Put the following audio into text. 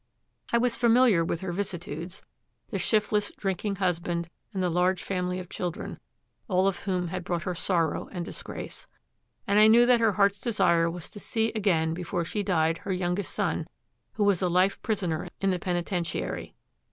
I was familiar with her vicissitudes: the shiftless drinking husband and the large family of children, all of whom had brought her sorrow and disgrace; and I knew that her heart's desire was to see again before she died her youngest son, who was a life prisoner in the penitentiary.